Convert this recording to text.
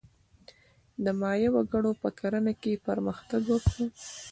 د مایا وګړو په کرنه کې پرمختګ وکړ.